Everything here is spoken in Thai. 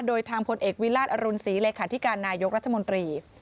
โดยทางพลเอกวิราชอรุณศรีเลขาธิการนายกรัฐมนตรี